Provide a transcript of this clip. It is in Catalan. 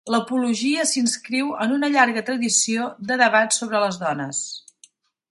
L'Apologia s'inscriu en una llarga tradició de debat sobre les dones.